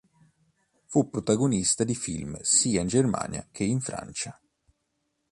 Fu protagonista di film sia in Germania che in Francia.